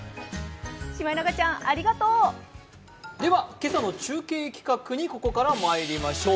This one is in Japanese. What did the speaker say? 今朝の中継企画にここからまいりましょう。